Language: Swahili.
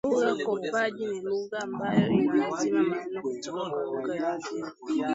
Lugha kopaji ni lugha ambayo inaazima maneno kutoka kwa lugha nyingine